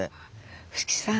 伏木さん